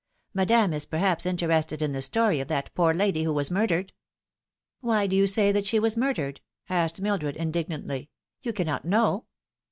Madame is perhaps interested in the story of that poor lady who was murdered." "Why do you say that she was murdered ?" asked Mildred indignantly. " You cannot know."